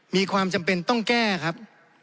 มีความจำเป็นต้องแก้ครับ